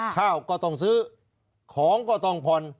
ข้าวก็ต้องซื้อของก็ต้องผ่อน